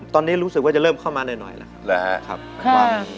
ตอนนี้รู้สึกว่าจะเริ่มเข้ามาหน่อยแล้วครับ